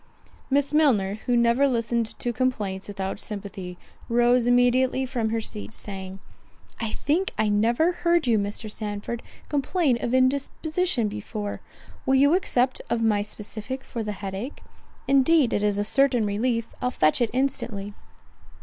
Miss Milner, who never listened to complaints without sympathy, rose immediately from her seat, saying, "I think I never heard you, Mr. Sandford, complain of indisposition before. Will you accept of my specific for the head ache? Indeed it is a certain relief—I'll fetch it instantly."